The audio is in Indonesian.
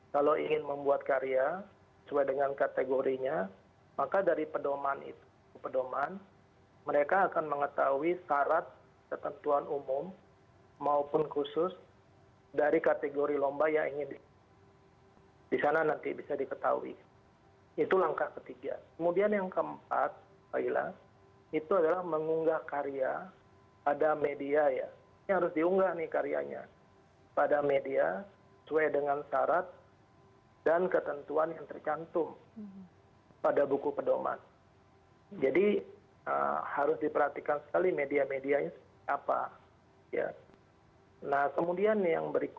lalu kemudian nanti akan menunggu hasil kurasi karya dan pengumuman sepuluh besar